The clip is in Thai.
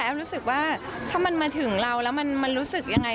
รู้สึกว่าถ้ามันมาถึงเราแล้วมันรู้สึกยังไง